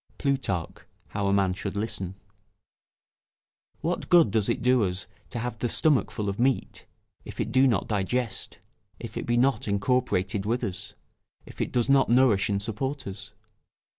[Plutarch, How a Man should Listen.] What good does it do us to have the stomach full of meat, if it do not digest, if it be not incorporated with us, if it does not nourish and support us?